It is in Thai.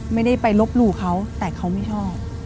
ไม่ได้ไปลบหลู่เขาแต่เขาไม่ชอบ